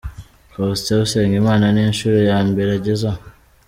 Faustin Usengimana si inshuro ya mbere ageze aha